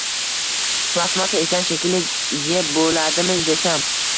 Plastmassa ekan shekilli, eb bo`ladimi desam